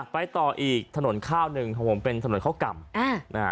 ไปต่ออีกถนนข้าวหนึ่งของผมเป็นถนนข้าวก่ำ